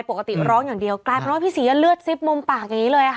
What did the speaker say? ปกติร้องอย่างเดียวกลายเป็นว่าพี่ศรีเลือดซิบมุมปากอย่างนี้เลยค่ะ